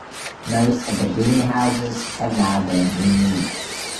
Most of the greenhouses have now been removed.